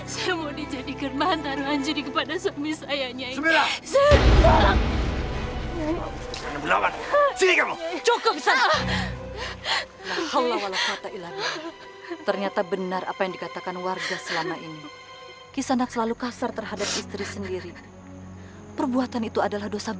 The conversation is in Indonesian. sampai jumpa di video selanjutnya